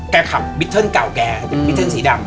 แกขับวิทเทิร์นเก่าแกวิทเทิร์นสีดำ